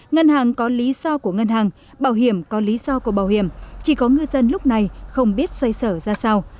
ngân hàng có lý do của ngân hàng bảo hiểm có lý do của bảo hiểm chỉ có ngư dân lúc này không biết xoay sở ra sao